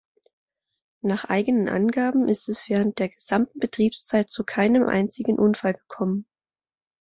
Nach eigenen Angaben ist es während der gesamten Betriebszeit zu keinem einzigen Unfall gekommen.